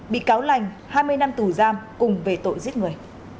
bị cáo lành hai mươi năm tù giam cùng về tội giết người